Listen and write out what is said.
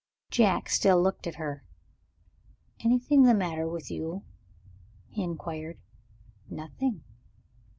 Jack still looked at her. "Anything the matter with you?" he inquired. "Nothing.